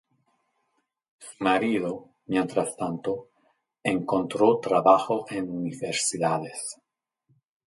Su marido, mientras tanto, encontró trabajo en universidades.